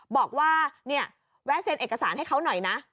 บอกว่าเนี่ยแวะเซ็นเอกสารให้เขาหน่อยนะ